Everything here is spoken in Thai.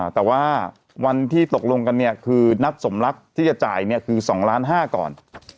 แต่ว่าวันที่ตกลงกันเนี่ยคือนัดสมรักษณ์ที่จะจ่ายเนี่ยคือ๒๕๐๐๐๐๐ก่อน